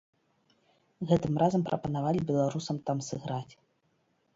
Гэтым разам прапанавалі беларусам там сыграць.